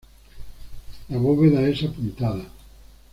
La bóveda es apuntada.